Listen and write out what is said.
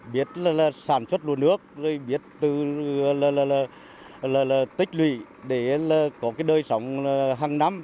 biết sản xuất lúa nước biết tích lụy để có cái đời sống hàng năm